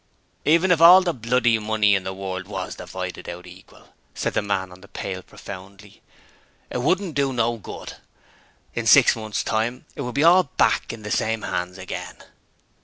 'Even if all the bloody money in the world WAS divided out equal,' said the man on the pail, profoundly, 'it wouldn't do no good! In six months' time it would be all back in the same 'ands again.'